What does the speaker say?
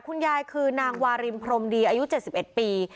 คุณยายคือนางวาริมพรมดีอายุเจ็ดสิบเอ็ดปี